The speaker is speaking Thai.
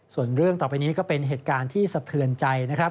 ส่วนเรื่องต่อไปนี้ก็เป็นเหตุการณ์ที่สะเทือนใจนะครับ